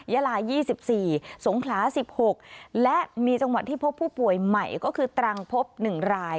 ยาลา๒๔สงขลา๑๖และมีจังหวัดที่พบผู้ป่วยใหม่ก็คือตรังพบ๑ราย